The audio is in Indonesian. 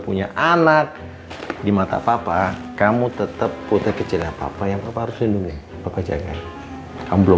punya anak di mata papa kamu tetep putih kecilnya papa yang harus lindungi bapak jangan kamu belum